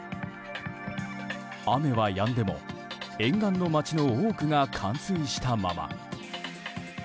雨はやんでも沿岸の町の多くが冠水したまま。